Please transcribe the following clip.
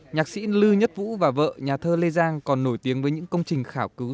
nhạc sĩ lư nhất vũ và vợ nhà thơ lê giang còn nổi tiếng với những công trình khảo cứu